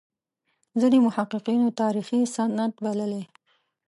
ځینو محققینو تاریخي سند بللی.